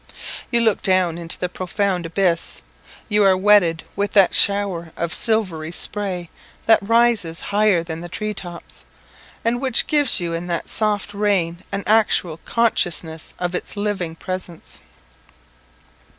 You look down into the profound abyss; you are wetted with that shower of silvery spray that rises higher than the tree tops, and which gives you in that soft rain an actual consciousness of its living presence.